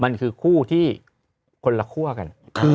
มันคือคู่ที่คนละคั่วกัน